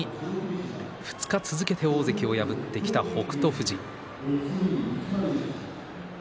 大関霧島に２日続けて大関を破ってきた北勝富士。